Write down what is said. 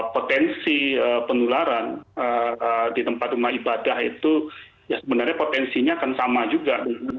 potensi penularan di tempat rumah ibadah itu ya sebenarnya potensinya akan sama juga